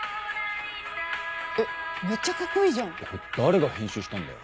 えっめっちゃカッコイイじゃん。誰が編集したんだよ。